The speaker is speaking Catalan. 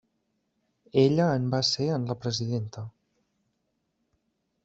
Ella en va ser en la presidenta.